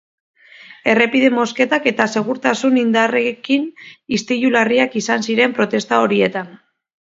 Errepide-mozketak eta segurtasun-indarrekin istilu larriak izan ziren protesta horietan.